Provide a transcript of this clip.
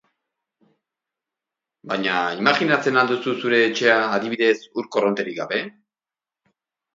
Baina imajinatzen al duzu zure etxea, adibidez, ur korronterik gabe?